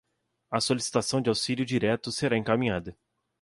A solicitação de auxílio direto será encaminhada